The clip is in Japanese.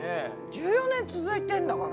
１４年続いてんだから。